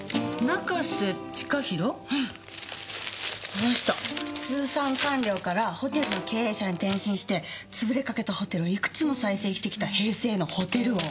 この人通産官僚からホテルの経営者に転身して潰れかけたホテルをいくつも再生してきた平成のホテル王。